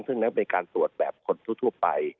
ซึ่งนั้นเป็นการตรวจแบบคนทั่วไป